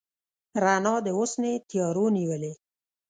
رڼا د حسن یې تیارو نیولې